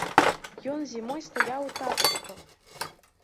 Ён зімой стаяў у тапачках!